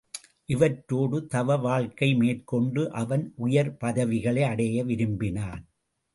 இவற்றோடு தவ வாழ்க்கை மேற் கொண்டு அவன் உயர் பதவிகள் அடைய விரும்பினான்.